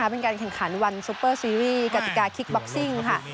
เป็นการแข่งขันวันซูเปอร์ซีรีส์กติกาคิกบ็อกซิ่งค่ะ